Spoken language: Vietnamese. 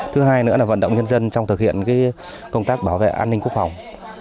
thứ hai nữa là vận động nhân dân trong thực hiện công tác bảo vệ an ninh quốc phòng